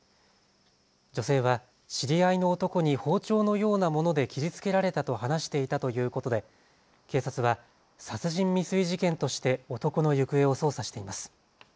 女性は知り合いの男に包丁のようなもので切りつけられたと話していたということで警察は殺人未遂事件として男の行方を捜査しています。